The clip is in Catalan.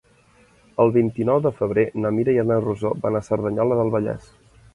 El vint-i-nou de febrer na Mira i na Rosó van a Cerdanyola del Vallès.